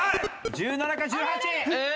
１７か１８！